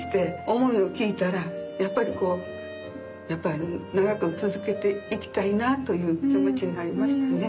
思いを聞いたらやっぱりこう長く続けていきたいなという気持ちになりましたね。